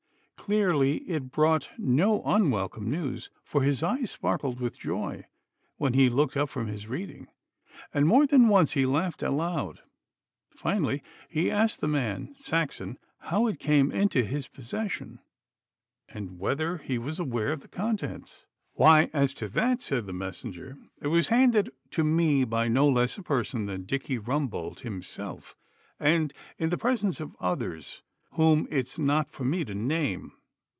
Clearly it brought no unwelcome news, for his eyes sparkled with joy when he looked up from his reading, and more than once he laughed aloud. Finally he asked the man Saxon how it had come into his possession, and whether he was aware of the contents. 'Why, as to that,' said the messenger, 'it was handed to me by no less a person than Dicky Rumbold himself, and in the presence of others whom it's not for me to name.